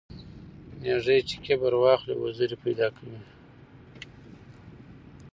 ـ ميږى چې کبر واخلي وزرې پېدا کوي.